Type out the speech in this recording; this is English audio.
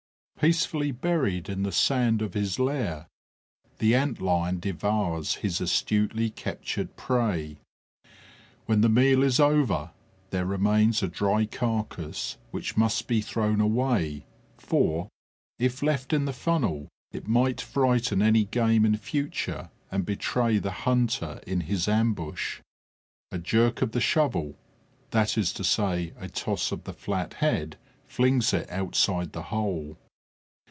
Peacefully buried in the sand of his lair, the Ant lion devours his astutely captured prey. When the meal is over, there remains a dry carcass, which must be thrown away, for, if left in the funnel, it might frighten any game in future and betray the hunter in his ambush. A jerk of the shovel, that is to say, a toss of the flat head, flings it outside the hole.